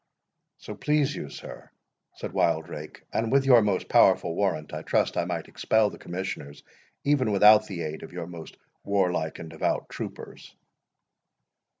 "So please you, sir," said Wildrake, "and with your most powerful warrant, I trust I might expel the commissioners, even without the aid of your most warlike and devout troopers."